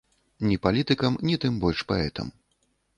Ні палітыкам, ні, тым больш, паэтам.